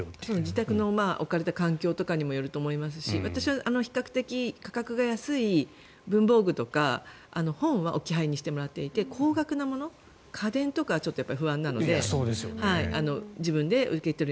自宅の置かれた環境にもよると思いますし私は比較的価格が安い文房具とか本は置き配にしてもらっていて高額なもの家電とかはちょっと不安なので自分で受け取る。